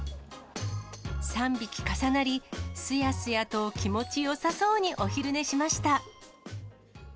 ３匹重なり、すやすやと気持ちよさそうにお昼寝しました。